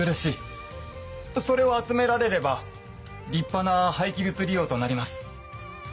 それを集められれば立派な廃棄物利用となります。